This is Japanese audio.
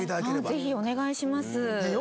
ぜひお願いします。